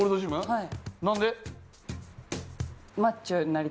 はい。